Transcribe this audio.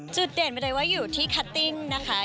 จุดเด่นไม่ได้ว่าอยู่ที่คัตติ้งนะคะ